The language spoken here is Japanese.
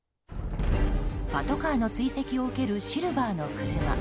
パトカーの追跡を受けるシルバーの車。